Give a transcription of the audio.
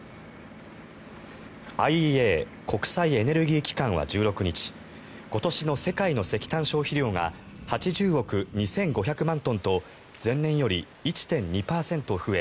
ＩＥＡ・国際エネルギー機関は１６日今年の世界の石炭消費量が８０億２５００万トンと前年より１．２％増え